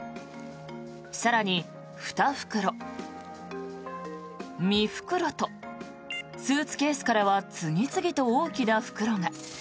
更に、２袋、３袋とスーツケースからは次々と大きな袋が。